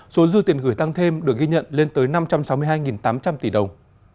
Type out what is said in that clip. số dư tiền gửi tăng thêm được ghi nhận lên tới năm trăm sáu mươi hai tám trăm linh tỷ đồng